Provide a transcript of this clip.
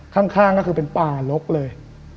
ข้างก็คือเป็นป่าลกเลย